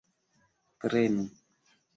Prenu!